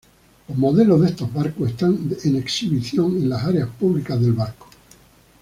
Los modelos de estos barcos están en exhibición en las áreas públicas del barco.